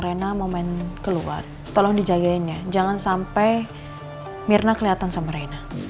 naya rina mau main di luar tolong dijagain ya jangan sampai myrna keliatan sama rena